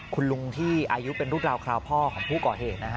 คุณลุงที่อายุเป็นรุ่นราวคราวพ่อของผู้ก่อเหตุนะฮะ